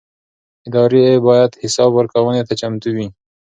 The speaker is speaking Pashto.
ادارې باید حساب ورکونې ته چمتو وي